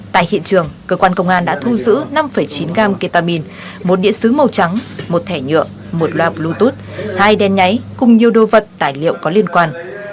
tại hiện trường cơ quan công an đã thu giữ năm chín gam ketamine một điện xứ màu trắng một thẻ nhựa một loa bluetooth hai đen nháy cùng nhiều đồ vật tài liệu có liên quan